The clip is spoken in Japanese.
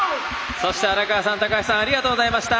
そして、荒川さん、高橋さんありがとうございました。